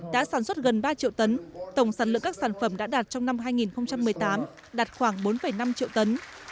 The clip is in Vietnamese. đã sản xuất gần ba triệu tấn tổng sản lượng các sản phẩm đã đạt trong năm hai nghìn một mươi tám đạt khoảng bốn năm triệu tấn